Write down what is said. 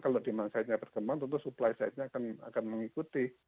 kalau demand side nya berkembang tentu supply side nya akan mengikuti